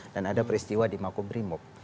dan ada peristiwa di makobrimob